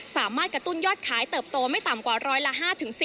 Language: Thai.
สามารถกระตุ้นยอดขายเติบโตไม่ต่ำกว่าร้อยละ๕๔๐